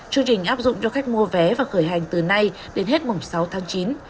chương trình áp dụng cho khách mua vé và khởi hành từ nay đến hết mùng sáu tháng chín